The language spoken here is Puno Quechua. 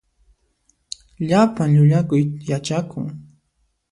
Llapan llullakuy yachakun.